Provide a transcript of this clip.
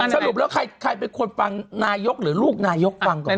สรุปแล้วใครเป็นคนฟังนายกหรือลูกนายกฟังก่อน